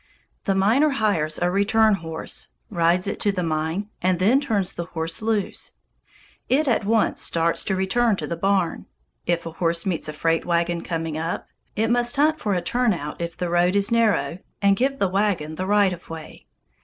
The miner hires a return horse, rides it to the mine, and then turns the horse loose. It at once starts to return to the barn. If a horse meets a freight wagon coming up, it must hunt for a turnout if the road is narrow, and give the wagon the right of way.